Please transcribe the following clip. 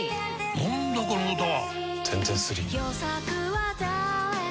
何だこの歌は！